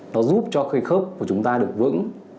nó giúp cho cây khớp của chúng ta được vững